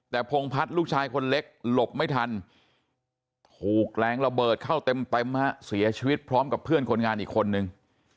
แต่พงพัฒน์ลูกชายคนเล็กหลบไม่ทันถูกแรงระเบิดเข้าเต็มฮะเสียชีวิตพร้อมกับเพื่อนคนงานอีกคนนึง